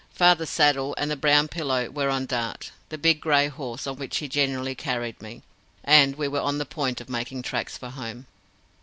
Father's saddle and the brown pillow were on Dart, the big grey horse on which he generally carried me, and we were on the point of making tracks for home.